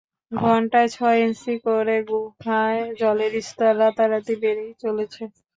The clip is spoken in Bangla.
ঘণ্টায় ছয় ইঞ্চি করে গুহায় জলের স্তর রাতারাতি বেড়েই চলেছে।